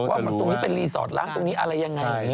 ว่าตรงนี้เป็นรีสอร์ทล้างตรงนี้อะไรยังไง